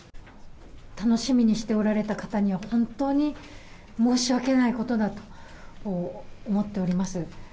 楽しみにしておられた方には本当に申し訳ないことだと思っております。